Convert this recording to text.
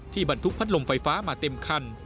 บรรทุกพัดลมไฟฟ้ามาเต็มคัน